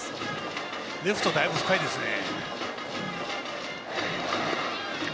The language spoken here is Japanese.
レフトだいぶ深いですね。